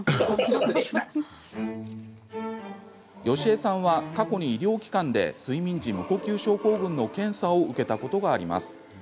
ヨシエさんは過去に医療機関で睡眠時無呼吸症候群の検査を受けたことがあります。